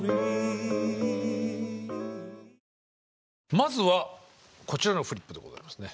まずはこちらのフリップでございますね。